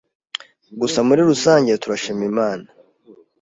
Gusa muri rusange turashima Imana